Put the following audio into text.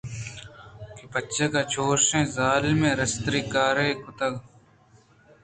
کہ بچکّ ءَچُشیں ظالمین ءُ رستری کارئے کُت